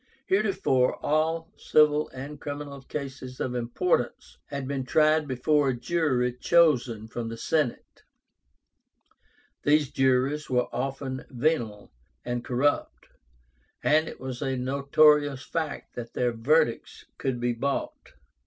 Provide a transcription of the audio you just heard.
Heretofore all civil and criminal cases of importance had been tried before a jury chosen from the Senate. These juries were often venal and corrupt, and it was a notorious fact that their verdicts could be bought.